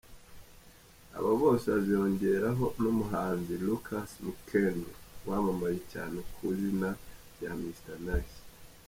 Aba bose baziyongeraho n’umuhanzi Lucas Mkend wamamaye cyane ku izina rya Mr Nice.